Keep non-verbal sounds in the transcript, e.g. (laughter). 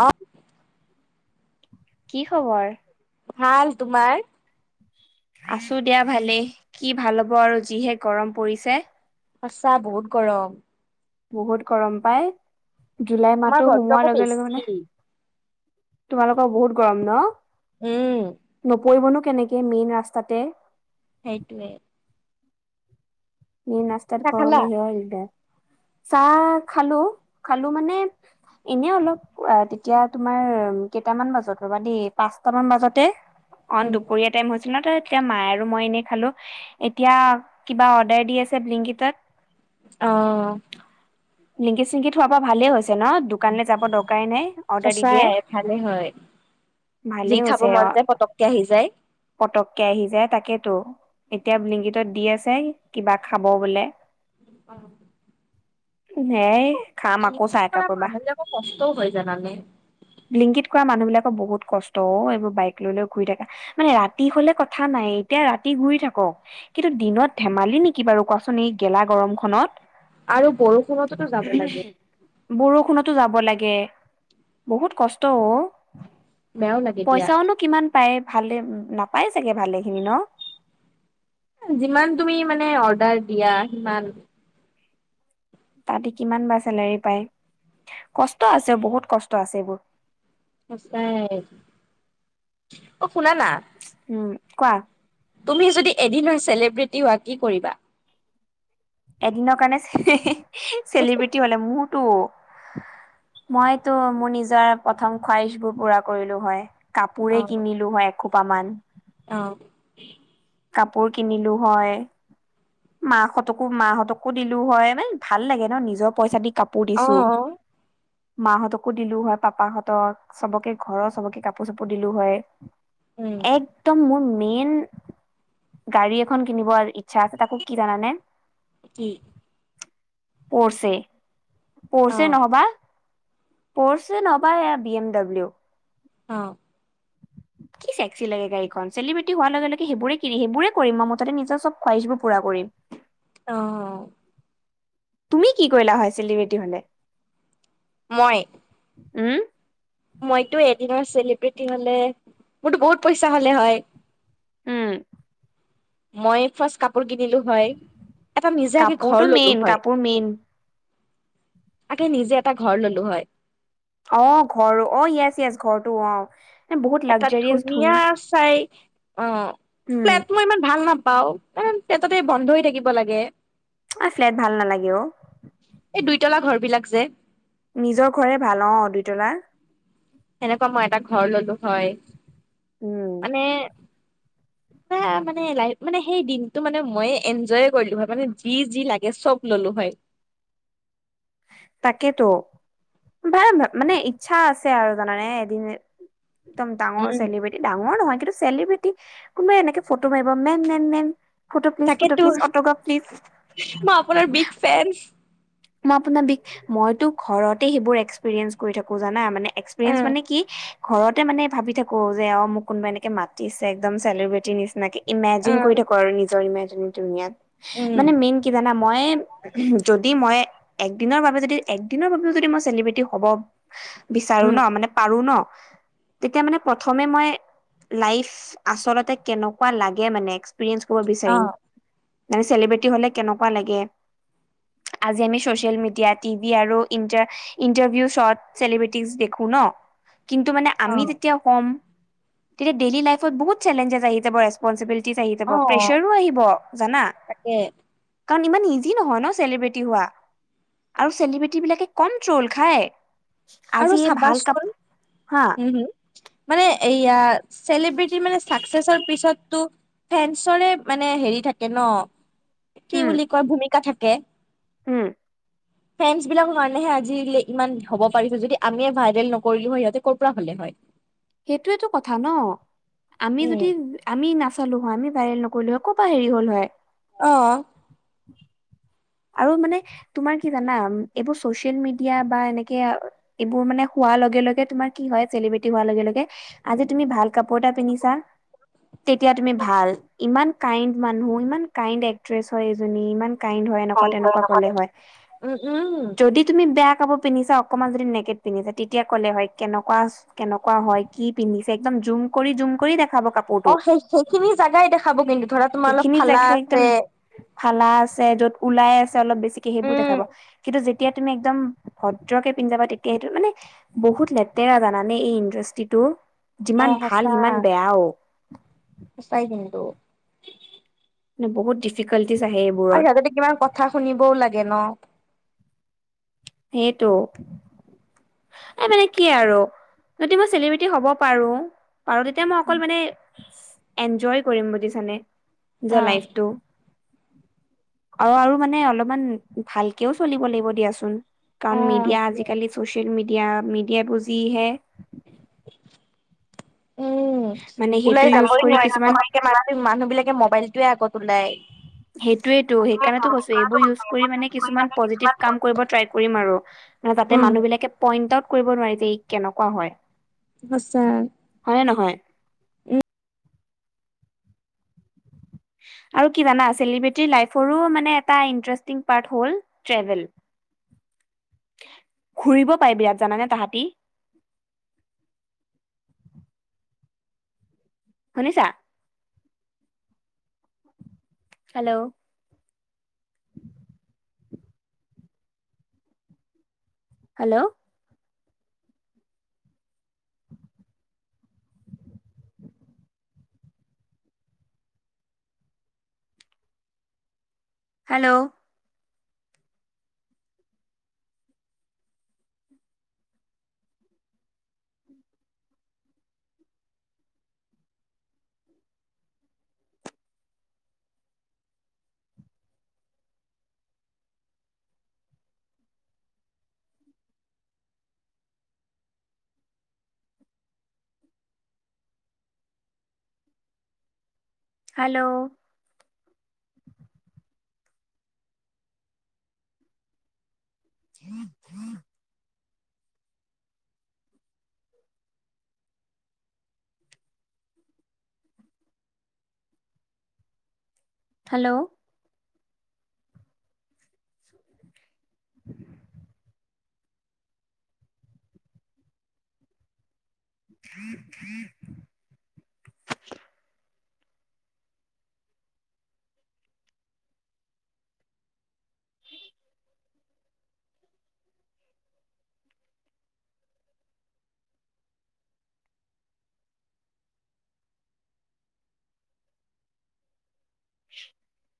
আহ কি খবৰ? ভাল, তোমাৰ? আছো দিয়া ভালেই। কি ভাল হব আৰু যিহে গৰম পৰিছে। সঁচা বহুত গৰম। বহুত গৰম পাই। জুলাই আমাৰ মাহতটো ঘৰতটো সোমোৱাৰ আকৌ লগে লগে বেছি মানে তোমালোকৰ বহুত গৰম ন? উম নপৰিবনো কেনেকে মেইন ৰাস্তাতে। সেইটোৱে। মেইন ৰাস্তাত চাহ ঘৰ খালা? হলে সেইয়াই দিকদাৰ। চাহ খালো খালো মানে এনেই অলপ আ তেতিয়া তোমাৰ কেইটামান বজাত ৰ'বা দেই পাঁচটামান বাজাতে অ উম দুপৰীয়া টাইম হৈছিল ন তই এতিয়া মায় আৰু মই এনেই খালো। এতিয়া কিবা অৰ্ডাৰ দি আছে ব্লিংকিতত। আহ। ব্লিংকিত চিংকিত সোৱাৰ পৰা ভালেই হৈছে। তেৰেনত দোকানলৈ যাব দৰকাৰাই নাই অৰ্ডাৰ দি দিয়ে। সঁচাই ভালে হয় যি ভালেই খাব হৈছে মন অ যায় পতককে আহি যায়। পতককে আহি যায় তাকেতো এতিয়া লিংগিতত দি আছে কিবা খাব বোলে। (unintelligible) হেই খাম আকৌ ডিউটিত চাহ কৰা একাপ ৰবা মানুহ বিলাকৰ কষ্টও হয় জানানে লিংগিত কৰা মানুহবিলাক বহুত কষ্ট অ এইবোৰ বাইক লৈ লৈ ঘুৰি থাকা মানে ৰাতি হলে কথা নাই এতিয়া ৰাতি ঘূৰি থাকক কিন্তু দিনত ধেমালি নেকি বাৰু কোৱাচোন এই গেলা গৰম খনত আৰু বৰষুণততো যাব লাগে। বৰষুণতো যাব লাগে বহুত কষ্ট অও বেয়াও লাগে দিয়া। পাই ভালেই নাপায় চাগে ভালেই খিনি ন যিমান তুমি মানে অৰ্ডাৰ দিয়া সিমান তাতে কিমান বা চেলেৰী পায় কষ্ট আছে বহুত কষ্ট আছে এইবোৰ। সঁচায়েই অ শুনা না উম কোৱা তুমি যদি এদিনৰ চেলিব্ৰিটি হোৱা কি কৰিবা। এদিনৰ কাৰণে চেলিব্ৰিটি হলে মোৰ তো মইতো মোৰ নিজৰ প্ৰথম খোৱাহিচ বোৰ পুৰা কৰিলো হয় অ কাপোৰে কিনিলো হয় এসোপামান অ কাপোৰ কিনিলো হয়। মাহঁতকো মাহঁতকো দিলো হয় মানে ভাল লাগে ন নিজৰ পইচা দি। কাপোৰ অ দিছোঁ। মাহঁতকো দিলো হয় পাপাহঁতক চবকে ঘৰৰ চবকে কাপোৰ চাপোৰ দিলো হয়। উম একদম মোৰ মেইন। গাড়ী এখন কিনিবৰ ইচ্ছা আছে তাকো কি জানানে! কি? পঢ়ছে অ পঢ়ছে নহবা। পঢ়ছে নবাই বি এম ডব্লিউ। অ (inaudible) কি চেক্সি লাগে গাড়ীখন চেলিব্ৰেটি হোৱাৰ লগে লগে সেইবোৰে কিনি সেইবোৰে কৰিম মই মুঠতে নিজৰ চব খুুৱাহিচবোৰ পুৰা কৰিম। অ তুমি কি কৰিলা হয় চেলিব্ৰিটি হলে। মই উম মইতো এদিনৰ চেলিব্ৰেটি হ'লে মোৰতো বহুত পইচা হ'লে হয়। উম মই ফাষ্ট কাপোৰ কিনিলো হয় এটা নিজাগে কাপোৰটো ঘৰ মেইন ললো হয়। কাপোৰ মেইন তাকে নিজে এটা ঘৰ ললো হয়! অ ঘৰ অ য়েচ য়েছ ঘৰটো অ বহুত এটা লাগজাৰিয়াছ ধুনীয়া ধুনী চাই অ উম ফ্লেট মই ইমান ভাল নাপাও ন তেন্তে বন্ধ হৈ থাকিব লাগে। অ ফ্লেট ভাল নালাগে অ পতলাৰ ঘৰ বিলাক যে নিজৰ ঘৰে ভাল অ দুইতলাৰ সেনেকুৱা মই এটা ঘৰ ললো হয় উম মানে (inaudible) মানে মানে সেই দিনটো মানে মই এনজয় কৰিলো হয় মানে যি যি লাগে চব ললো। দুুবাই (unintelligible) (unintelligible) তাকেইতো ভাই মানে ইচ্ছা আছে আৰু জানানে এদিন একদম ডাঙৰ উম চেলিব্ৰেটি ডাঙৰ নহয় কিন্তু চেলিব্ৰেটি। কোনোবা এনেকে ফটো মাৰিব ma'am ma'am ma'am photo please photo তাকেতো প্লিজ অটোগ্ৰাফ মই আপোনাৰ প্লিজ। বিগ ফেন মই আপোনাৰ বি মইতো ঘৰতে সেইবোৰ এক্সপিৰিয়েঞ্চ কৰি থাকো জানা মানে অ এক্সপিৰিয়েঞ্চ মানে কি। ঘৰতে মানে ভাবি থাকো যে অ মোক কোনোবা এনেকে মাতিছে একদম চেলিব্ৰেটিৰ নিচিনাকে ইমেজিন কৰি উম, থাকো আৰু নিজৰ ইমেজিন উম, দুনীয়াত। মানে মেইন কি জানা মই যদি মই একদিনৰ বাবে যদি একদিনৰ বাবেও যদি মই চেলিব্ৰেটি হ'ব বিচাৰো উম, ন মানে পাৰো ন তেতিয়া মানে প্ৰথমে মই লাইফ আচলতে কেনেকুৱা লাগে মানে এক্সপেৰিয়েনচ ক'ব বিচাৰিম অ', মানে চেলিব্ৰেটি হ'লে কেনেকোৱা লাগে আজি আমি চচিয়েল মিডিয়াত টিভি আৰু ইণ্টা ইণ্টাৰভিউ শ্বত চেলিব্ৰেটি দেখো ন কিন্তু মানে আমি অ', তেতিয়া ক'ম তেতিয়া ডেইলি লাইফত বহুত চেলেঞ্জেছ আহি যাব ৰেষ্পঞ্চিবিলিতী আহি যাব অ', প্ৰেছাৰো আহিব জানা তাকে কাৰণ ইমান ইজি নহয় ন চেলিব্ৰেটি হোৱা আৰু চেলিব্ৰেটি বিলাকে কমট্ৰ'ল খায় আৰু আজি এই ভাল কাপ চাবাচোন হা উম হুম মানে এইয়া চেলিব্ৰেটিৰ মানে চাকচেছৰ পিছতটো ফেন্সৰে মানে হেৰি থাকে ন কি উম বুলি কয় ভূমিকা থাকে। উম ফেনচ বিলাকৰ কাৰনে আজি ইমান হ'ব পাৰিছে যদি আমিয়ে ভাইৰেল নকৰিলো হয় সিহঁতে ক'ৰ পৰা হ'লে হয় সেইটোৱেটো কথা ন আমি উম, যদি আমি নাচ চালো হয় আমি ভাইৰেল নকৰিলো হয় কৰ পৰা হেৰি হল হয় অহ হয় (unintelligible) আৰু মানে তোমাৰ কি জানা এইবোৰ চচিয়েল মিডিয়া বা এনেকে এইবোৰ মানে হোৱা লগে লগে তোমাৰ কি হয় চেলিব্ৰেটী হোৱা লগে লগে আজি তুমি ভাল কাপোৰ এটা পিনন্ধিছা তেতিয়া তুমি ভাল ইমান কাইণ্ড মানুহ ইমান কাইণ্ড এক্ট্ৰেছ হয় এজনী ইমান কাইণ্ড। ক তেনেকোৱা কলে হয় উম, উম, যদি তুমি বেয়া কাপোৰ পিন্ধিছা অকনমান যদি নেকেট পিন্ধিছে তেতিয়া ক'লে হয় কেনেকুৱা -কেনেকুৱা হয় কি পিন্ধিছে একদম জুম কৰি জুম কৰি দেখাব। অ কাপোৰটো সেই সেইখিনি জেগাই দেখাব কিন্তু ধৰা তোমাৰ অলপ সেইখিনি ফালা জেগা একদম আছে ফালা আছে যত ওলাই আছে অলপ বেছিকে সেইবোৰ উম, দেখাব কিন্তু যে তেতিয়া তুমি একদম ভদ্ৰকে পিন্ধি যাবা তেতিয়া সেইটো মানে বহুত লেতেৰা জানানে এই ইণ্ডাষ্ট্ৰিটো যিমান অ', ভাল সঁচা সিমান বেয়াও সঁচাই কিন্তু ন বহুত ডিফিক্টকেলত। আৰু সিহঁতে কিমান কথা শুনিবও লাগে ন। সেইটো এই মানে কি আৰু যদি মই চেলিব্ৰেটি হ'ব পাৰো -পাৰো তেতিয়া মই অকল মানে এনজয় কৰিম বুজিছানে অ নিজৰ লাইফটো অ আৰু মানে অলপমান ভালকেও চলিব লাগিব দিয়াচোন কাৰণ মিডিয়া আজিকালি চচিয়েল মিডিয়া -মিডিয়াটো যি হে উম মানে সেইটো ওলাই ইউজ যাবই কৰি নোৱাৰি কিছুমান ক মানুহ বিলাকে মোবাইলটোৱে আগত ওলাই। সেইটোয়েটো সেইকাৰণেটো কৈছো এইবোৰ ইউজ কৰি মানে কিছুমান পজিটিভ কাম কৰিব ট্ৰাই কৰিম আৰু। যাতে উম মানুহবিলাকে পইণ্ট আউট কৰিব নোৱাৰে যে ই কেনেকুৱা হয়। আচ্ছা হয় নে নহয়। উম। আৰু কি জানা চেলিব্ৰেটিৰ লাইফৰো মানে এটা ইণ্টাৰেষ্টিং পাৰ্ট হ'ল ট্ৰেভেল - ঘুৰিব পাৰে বিৰাট জানানে তাহাঁতি (unintelligible) শুনিছা? হেল্ল' হেল্ল' হেল্ল' হেল্ল' হম হম হেল্ল' (unintelligible) উম উম (unintelligible)